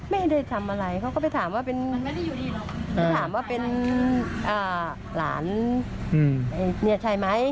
ไม่ได้ทำอะไรเขาก็ไปถามว่าเป็นไปถามว่าเป็นหลานมีอาจใช่ไหม